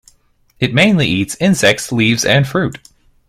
It mainly eats insects, leaves, and fruit.